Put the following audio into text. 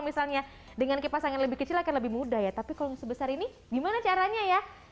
misalnya dengan kipasang yang lebih kecil akan lebih mudah ya tapi kalau sebesar ini gimana caranya ya